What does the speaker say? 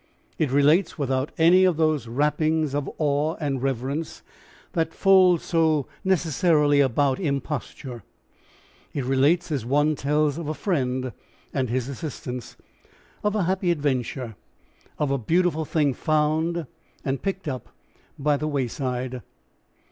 It relates without any of those wrappings of awe and reverence that fold so necessarily about imposture, it relates as one tells of a friend and his assistance, of a happy adventure, of a beautiful thing found and picked up by the wayside.